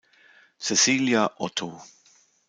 Cäcilia Otto.